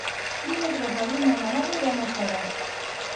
Dimecres na Bruna i na Nàdia iran a Sora.